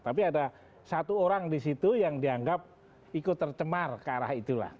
tapi ada satu orang di situ yang dianggap ikut tercemar ke arah itulah